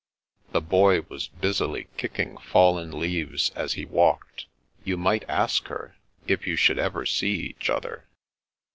The Boy was busily kicking fallen leaves as he walked. " You might ask her — if you should ever see each other."